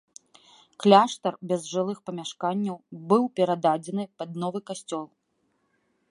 Кляштар без жылых памяшканняў быў перададзены пад новы касцёл.